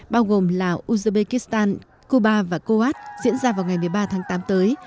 bao gồm là uzbekistan cuba và kuwait diễn ra vào ngày một mươi ba tháng tám tới